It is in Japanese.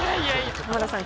浜田さん